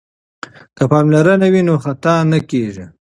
که پاملرنه وي نو خطا نه کیږي.